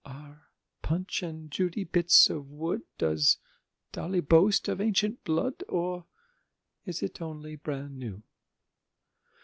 Are Punch and Judy bits of wood? Does Dolly boast of ancient blood, Or is it only "bran new"?